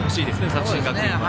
作新学院は。